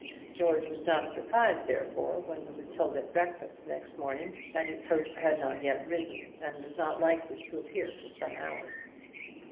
George was not surprised, therefore, when he was told at breakfast next morning that his host had not yet risen, and was not likely to appear for some hours.